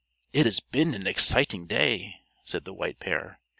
"It has been an exciting day," said the White Pair.